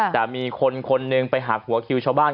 แต่มีคนคนหนึ่งไปหักหัวคิวชาวบ้าน